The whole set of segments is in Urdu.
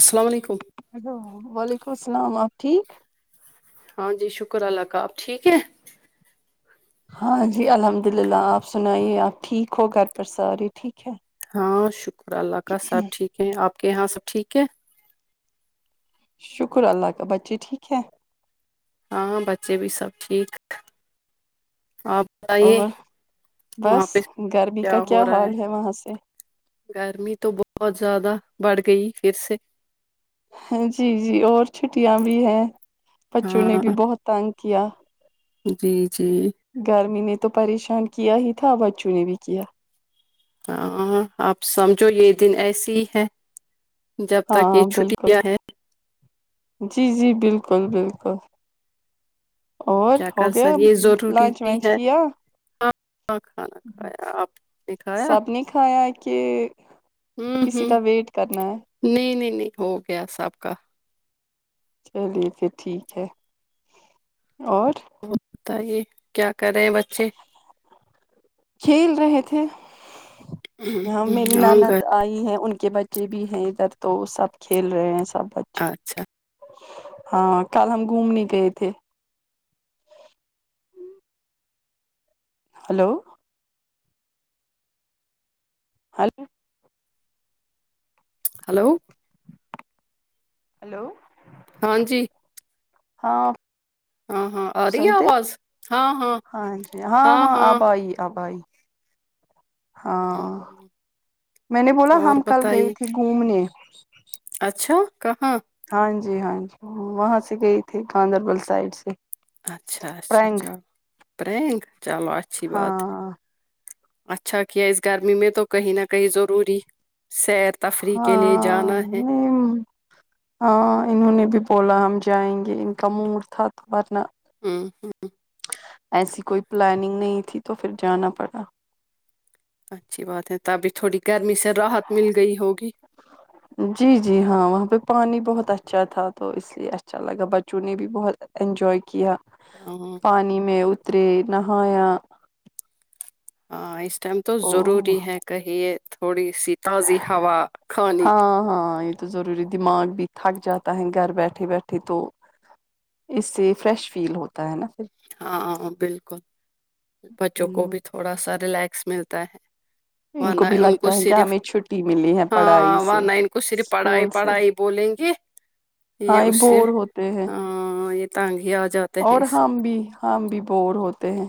السلام علیکم ہیلو وعلیکم السلام آپ ٹھیک ہاں جی شکر اللہ کا آپ ٹھیک ہے ہاں جی الحمد للہ آپ سنائیے آپ ٹھیک ہو گھر پر ساری ٹھیک ہے ہاں شکر اللہ کا سب ٹھیک ہے آپ کے یہاں سب ٹھیک ہے شکر اللہ کا بچے ٹھیک ہے ہاں بچے بھی سب ٹھیک ا اور بس گرمی کا کیا حال ہے وہاں سے گرمی تو بہت زیادہ بڑھ گئی پھر سے جی جی اور چھٹیاں بھی ہیں بچوں نے ہاں بھی بہت تانگ کیا جی جی گرمی نے تو پریشان کیا ہی تھا بچوں نے بھی کیا ہاں آپ سمجھو یہ دن ایسی ہی ہے جب تک ہاں یہ بالکل چھٹیاں ہے جی جی بالکل بالکل اور کیا ہو کر گیا سکے یہ ضروری لنچ بھی ونچ ہے کیا ہاں ہاں کھانا کھایا آپ نے کھایا سب نے کھایا کہ ہوں کسی ہوں کا ویٹ کرنا ہے نہیں نہیں نہیں ہو گیا سب کا چلیے پھر ٹھیک ہے اور وہ بتائیے کیا کر رہے ہیں بچے کھیل رہے تھے ہاں میری ناند آئی ہیں ان کے بچے بھی ہیں ادھر تو سب کھیل رہے ہیں سب بچ اچھا ہاں کل ہم گھومنے گئے تھے ہیلو ہیلو ہیلو ہیلو ہاں جی ہاں ناقابل سماعت سنتے ہاں جی ہاں ہاں آبائی آبائی ہاں میں نے بولا اور ہم کل گئی بتائیے تھی گھومنے اچھا کہاں ہاں جی ہاں جی وہاں سے گئی تھی گاندربل سائڈ سے اچھا اچھا پرینگ چلو پرینگ چلو اچھی بات ہے ہاں اچھا کیا اس گرمی میں تو کہیں نہ کہیں ضروری سیر تفریح کے لیے ہاں جانا ہے ہمم ہاں انہوں نے بھی بولا ہم جائیں گے ان کا موڈ تھا تو ھرنہ ہمم ہمم ایسی کوئی پلاننگ نہیں تھی تو پھر جانا پڑا اچھی بات ہے تبھی تھوڑی گرمی سے راحت مل گئی ہوگی جی جی ہاں وہاں پہ پانی بہت اچھا تھا تو اس لیے اچھا لگا بچوں نے بھی بہت انینجوائے کیا ہاں پانی میں اترے نہایا ہاں اس ٹائم تو او ضروری ہے کہیے تھوڑی سی تازی ہوا کھانی ہاں ہاں یہ تو ضروری دماغ بھی تھک جاتا ہے گھر بیٹھے بیٹھے تو اس سے فریش فیل ہوتا ہے نا پھر ہاں بالکل بچوں کو ہوں، بھی تھوڑا سا ریلیکس ملتا ہے ورنہ بھی ان کو لگتا ہے کہ صرف ہمیں چھٹی ملی ہے پڑھائی ہاں سے ورنہ ان کو صرف پڑھائی اسکول سے پڑھائی بولیں گے یہ ہاں اس سے بور ہوتے ہیں ہاں یہ ٹانگی آ جاتے ہیں اور اس سے ہم بھی ہم بھی بور ہوتے ہیں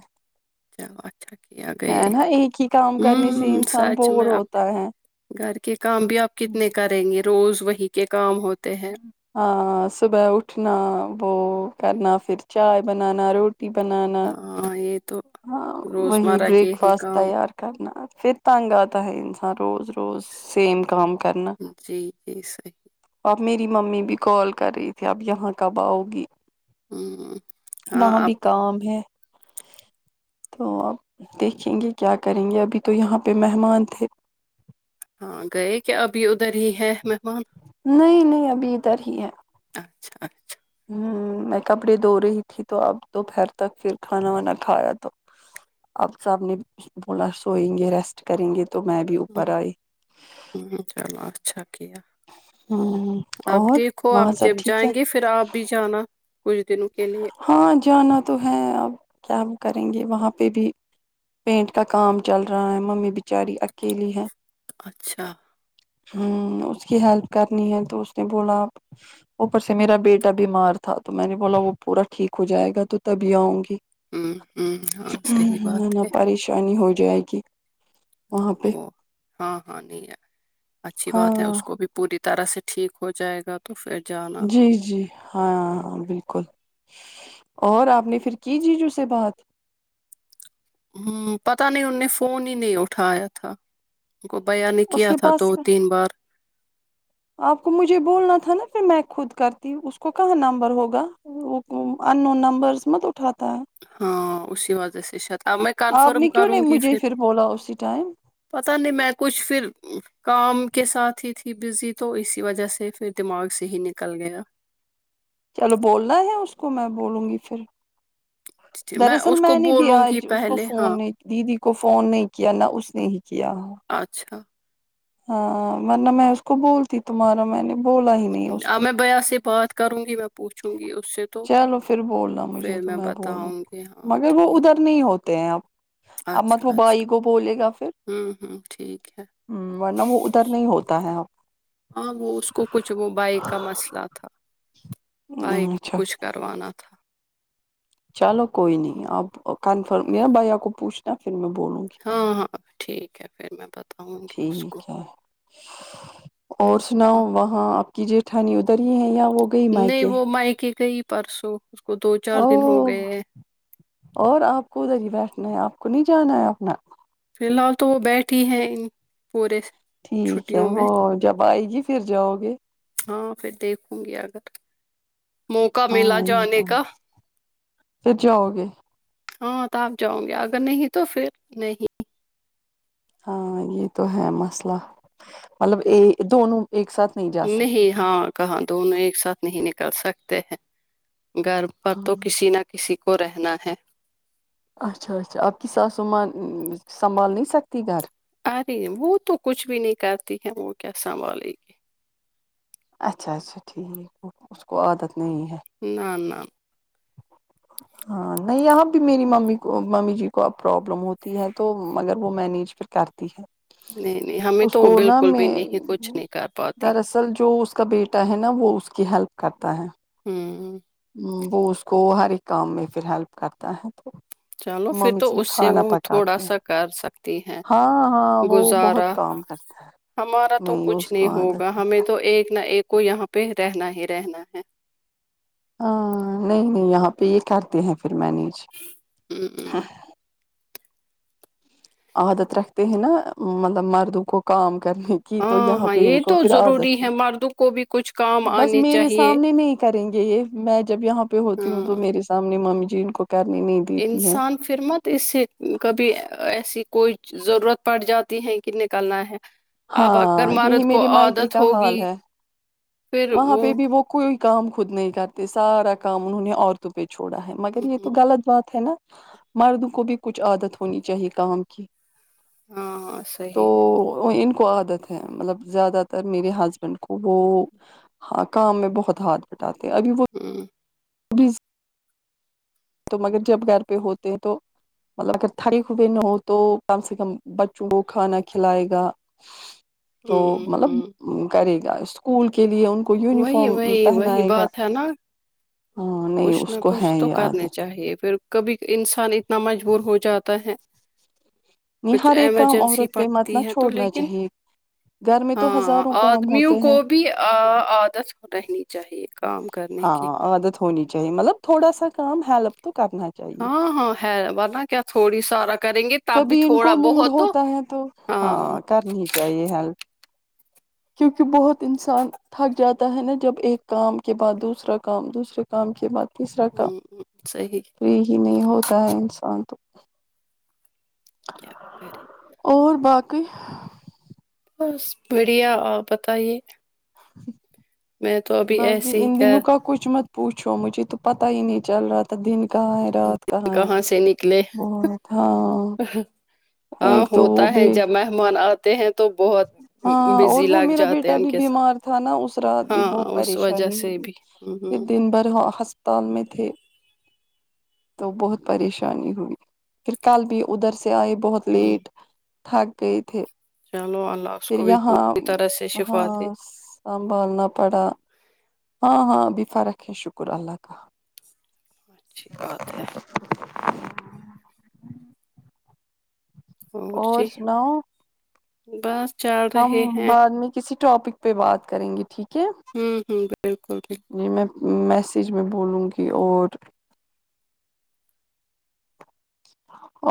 چلو اچھا کیا گئے ہے نا ایک ہی کام کرنے سے ہوں انسان سچ بور میں آپ ہوتا ہے گھر کے کام بھی آپ کتنے کریں گے روز وہی کے کام ہوتے ہیں ہاں صبح اٹھنا وہ کرنا پھر چائے بنانا روٹی روٹی بنانا ہاں یہ تو ہاں وہی روزمرہ بریک کے ہی فاسٹ کام تیار کرنا پھر تنگ آتا ہے انسان روز روز سیم کام کرنا جی جی صحیح اب میری ممی بھی کال کر رہی تھی اب یہاں کب آؤ گی ہوں ہاں وہاں آپ بھی کام ہے تو آپ دیکھیں گے کیا کریں گے ابھی تو یہاں پہ مہمان تھے ہاں گئے کیا ابھی ادھر ہی ہے مہمان نہیں نہیں ابھی ادھر ہی ہے اچھا اچھا ہمم میں کپڑے دھو رہی تھی تو اپ دوپہر تک پھر کھانا وانا کھایا تو اب صاحب نے بولا سوئیں گے ریسٹ کریں گے تو میں بھی اوپر آئی ہوں چلو اچھا کیا ہوں اب اور دیکھو آپ وہاں جب سب ٹھیک ہے جائیں گے پھر آپ بھی جانا کچھ دنوں کے لیے ہاں جانا تو ہے اب کیا کریں گے وہاں پہ بھی پینٹ کا کام چل رہا ہے ممی بچاری اکیلی ہے اچھا ہوں ں اس کی ہیلپ کرنی ہے تو اس نے بولا اب اوپر سے میرا بیٹا بیمار تھا تو میں نے بولا وہ پورا ٹھیک ہو جائے گا تو تبھی آؤں گی ہوں ہوں ہاں صحیح بات ہے پریشانی ہو جائے گی وہاں ہاں پہ وہ ہاں ہاں نہیں اہے اچھی بات ہے ہاں اس کو بھی پوری طرح سے ٹھیک ہو جائے گا تو پھر جانا جی جی ہاں ں بالکل اور آپ نے پھر کی جیجو سے بات ہوں پتا نہیں ان نے فون ہی نہیں اٹھایا تھا بھیا نے اس کیا کے تھا کیا تھا پاس دو تین بار آپ کو مجھے بولنا تھا نا پھر میں خود کرتی اس کو کہاں نمبر ہوگا [unintelligible] ان نون نمبرس مت اٹاتا ہے ہاں اسی وجہ سے شاید اب میں آپ کنفرم نے کیوں کروں نہیں گی مجھے پھر بولا اسی ٹائم پتا نہیں میں کچھ پھر کام کے ساتھ ہی تھی بزی تو اسی وجہ سے پھر دماغ سے ہی نکل گیا چلو بولنا ہے اس کو میں بولوں گی پھر دراصل اس کو میں نہیں بھی بولوں گی آج اس کو پہلے ہاں فون نہیں دیدی کو فون نہیں کیا نہ اس نے ہی کیا اچھا ہاں ں ورنہ میں اس کو بولتی تمہارا میں نے بولا ہی نہیں اس کو اب میں بھیا سے بات کروں گی میں پوچھوں گی اس سے تو چلو پھر بولنا مجھے پھر تو میں بولوں بتاؤں گی ہاں ں مگر وہ ٹھیک ادھر نہیں ہوتے ہیں اب اب اچھا مت وہ اچھا بھائی کو بولے ہوں ہوں ٹھیک ہے ہوں ورنہ وہ ادھر نہیں ہوتا ہے اب ہاں وہ اس کو کچھ وہ بھائی کا مسئلہ تھا بھائی اچھا کچھ کروانا تھا چلو کوئی نہیں اپ کنفرم یابھائی کو پوچھنا پھر میں بولوں گی ہاں ہاں ٹھیک ہے پھر میں بتاؤں گی اس کو ٹھیک ہے اور ہاں سناؤ وہاں آپ کی جٹھانی ادھر ہی ہے یا وہ گئی نہیں مائکے وہ مائیکے گئی پرسوں اس کو دو چار او دن ہو گئے ہیں اور آپ کو ادھر ہی بیٹھنا ہے آپ کو نہیں جانا ہے اپنا فی الحال تو وہ بیٹھی ہیں پورے ٹھیک ہے چھٹیوں میں وہ جب آئے گی پھر جاؤ گے ہاں پھر دیکھوں گی اگر موقع ملا ہاں یہ جانے تو کا پھر جاؤ گے ہاں تو تپ جاؤ نگی اگر نہیں تو پھر نہیں ہاں یہ تو ہے مثلا مطلب یہ دونوں ایک ساتھ نہیں جا سکتے نہیں ہاں کہاں دونوں ایک ساتھ نہیں نکل سکتے ہیں گھر پر تو کسی نہ کسی کو رہنا ہے اچھا اچھا آپ کی ساسو ماں نہ سنبھال نہیں سکتی گھر ا رہے وہ تو کچھ بھی نہیں کرتی ہے وہ کیا سنبھالے گی اچھا اچھا ٹھیک ا اس کو عادت نہیں ہے نہ نہ ہاں نہیں یہاں بھی میری ممی کو ممی جی کو اب پرابلم ہوتی ہے تو مگر وہ مینیج کرتی ہے نہیں نہیں ہمیں اس تو کو نہ بالکل میں بھی نہیں کچھ نہیں کر پاتی دراصل جو اس کا بیٹا ہے نا وہ اس کی ہیلپ کرتا ہے ھمم وہ اس کو ہر ایک کام میں پھر ہیلپ کرتا ہے تو چلو پھر ممی تو صرف اس سے کھانا وہ تھوڑا پکاتی ہیں سا کر سکتی ہیں ہاں ہاں وہ گزارا بہت کام کرتا ہے ہمارا تو کچھ اس نہیں کو عادت ہوگا ہے۔ ہمیں تو ایک نہ ایک کو یہاں پہ رہنا ہی رہنا ہے ہاں نہیں نہیں یہاں پہ یہ کرتے ہیں پھر مینیج ھمم ھمم عادت رکھتے ہیں نہ مطلب مردوں کو کام کرنے کی کی تو ہاں یہاں ہاں پہ یہ ان کو تو پھر ضروری عادت ہے مردوں کو بھی کچھ کام بس آنے میرے چاہیے سامنے نہیں کریںگے یہ میں جب یہاں پہ ہوتی ہوں تو ہاں میرے سامنے ممی جی ان کو کرنی نہیں دیتی ہے انسان پھرمت اس سے کبھی ایسی کوئی ضرورت پڑ جاتی ہے کہ نکلنا ہے آب اگر ہاں یہی مرد کو میرے مائکے عادت کا حال ہوگی ہے وہاں پہ بھی وہ کوئی کام خود نہیں کرتے سارا کام انہوں نے عورتوں پہ چھوڑا ہے مگر یہ تو غلط بات ہے نا مردوں کو بھی کچھ عادت ہونی چاہیے کام کی ہاں تو صحیح ہے تو ان کو عادت ہے مطلب زیادہ تر میرے ہسبینڈ کو وہ ہاں کام میں بہت ہاتھ بٹاتے ہیں ابھی وہ [inaudible] [unintelligible] تو مگر جب گھر پہ ہوتے ہیں تو مطلب اگر [unintelligible] ہو تو کم سے کم بچوں کو کھانا کھلائے گا تو ہمم ہمم مطلب کرے گا اسکو کول کے لیئے ان کو وہی یونیفارم وہی وہی پہنائے گا بات ہے نا ہاں نہیں اس کو ہے یہ عادت چاہے پھر کبھی انسان اتنا مجبور ہو جاتا ہے نہیں کچھ ہر ایک کام ایمرجنسی عورت پہ مت نہ پڑتی ہے تو چھوڑنا لیکن چاہیے گھر میں تو ہاں ہزاروں کام آدمیوں ہوتے کو ہیں بھی عادت رہنی چاہیے کام کرنے کی ہاں عادت ہونی چاہے مطلب تھوڑا سا کام ہیلپ تو کرنا چاہیے ہاں ہاں ہےور نا کیا تھوڑی سارا کریںگے کبھی ان کو موڈ ہوتا ہے تو ہاں کرنی چاہیے ہیلپ کیونکہ بہت انسان تھک جاتا ہے نا جب ایک کام کے بعد دوسرا کام دوسرے کام کے بعد تیسرا کام ہوں، صحیح فری ہی نہیں ہوتا ہے انسان تو کیا کرے اور باقی بس بڑیا آپ بتائیے میں تو ابھی بس جی ایسے ہی ان کر دنوں کا کچھ مت پوچھو مجھے تو پتا ہی نہیں چل رہا تھا دن کہاں ہے رات کہاں ہے سے نکلے ہاں ہاں ایک تو وہ ہوتا ہے بھی جب مہمان آتے ہیں تو بہت ہاں اور بزی وہ لگ میرا جاتے بیٹا ہیں ان بھی کے ساتھ بیمار تھا نا اس رات بھی ہاں بہت اس وجہ پریشانی سے ہوئی بھی ہوں ہوں پھر دن بھر ہسپتال میں تھے تو بہت پریشانی ہوئی پھر کل بھی ادھر سے آئے بہت ہوں لیٹ تھک گئے تھے چلو اللہ اس پھر کو بھی یہاں پوری طرح سے شفا ہاں دے سنبھالنا پڑا ہاں ہاں بھی فرق ہے شکر اللہ کا اچھی بات ہے اورور اور جی سناؤ بس چل ہم رہے ہیں بعد میں کسی ٹاپک پہ بات کریں گے ٹھیک ہے ہوں ہ بالکل بالکل جی میں میسیج میں بولوں گی اور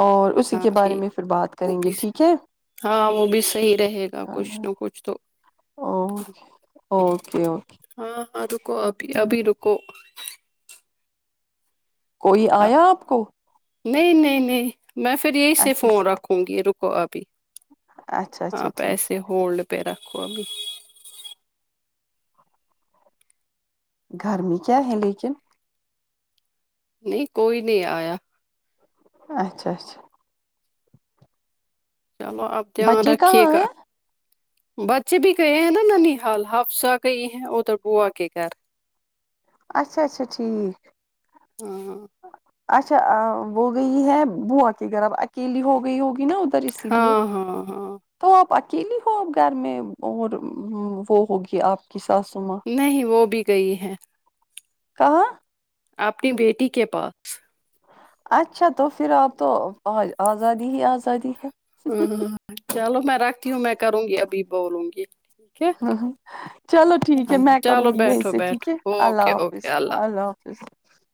اور اسی ہاں کے بارے میں ٹھیک پھر بات وہ کریں گے بھی ٹھیک ہے ہاں وہ بھی صحیح رہے گا کچھ نہ کچھ تو اوکے اوکے ہاں ہاں رکو ابھی ابھی رکو کوئی آیا آپ کو نہیں نہیں نہیں میں پھر یہی سے اچھا فون اچھا رکھوں گی رکو ابھی اچھا ہاں اچھا ٹھیک پیسے ہولڈ پہ رکھو ابھی گھر میں کیا ہے لیکن نہیں کوئی نہیں آیا اچھا اچھا چلو آپ دھیان بچے رکھیے کہاں گا ہیں بچے بھی گئے ہیں نا ننی حال ہفسہ کہئی ہے ادھر بوا کے گھر اچھا اچھا ٹھیک [inaudible] اچھا وہ گئی ہے بہت ہی گرب اکیلی ہو گئی ہوگی نا سر اسی لیے ہاں ہاں ہاں تو آپ اکیلی ہو آپ گھر میں اور وہ ہوگی آپ کی ساسوما نہیں وہ بھی گئی ہے کہاں اپنی بیٹی کے پاس اچھا تو پھر آپ تو آزادی ہی آزادی ہے ہاں ہاں چلو میں رکھتی ہوں میں کروں گی ابھی بولوں گی ہے ہاں چلو ٹھیک ہے میں کروں چلو گی یہیں بیٹھو سے ٹھیک ہے بیٹھو اللہ اوکے حافظ اوکے اللہ حافظ جی